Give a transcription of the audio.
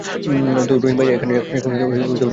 তো রহিম ভাই এখন ক্ষতির হিসাব করবেন?